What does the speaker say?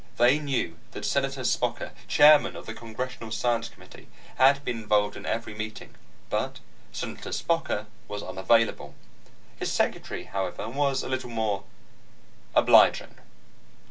They knew that Senator Spocker, chairman of the Congressional Science Committee, had been involved in every meeting, but Senator Spocker was unavailable. His secretary, however, was a little more obliging